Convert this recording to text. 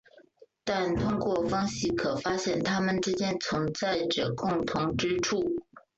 但通过分析可发现它们之间存在着共同之处。